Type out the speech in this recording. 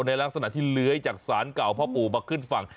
ในลักษณะที่เลื้อยจากศาลเก่าพ่อปู่มาขึ้นฝั่ง